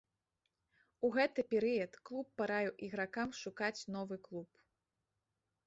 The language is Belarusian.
У гэты перыяд клуб параіў ігракам шукаць новы клуб.